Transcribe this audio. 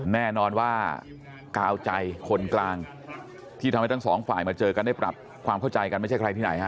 แน่นอนว่ากาวใจคนกลางที่ทำให้ทั้งสองฝ่ายมาเจอกันได้ปรับความเข้าใจกันไม่ใช่ใครที่ไหนฮะ